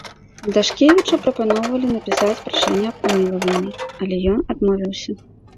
Дашкевічу прапаноўвалі напісаць прашэнне аб памілаванні, але ён адмовіўся.